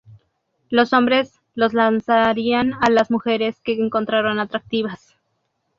Los hombres los lanzarían a las mujeres que encontraran atractivas.